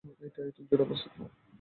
এটি আয়তন জুড়ে অবস্থিত।